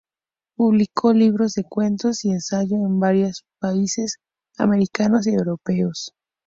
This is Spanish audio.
Publicó libros de cuentos y ensayo en varios países americanos y europeos.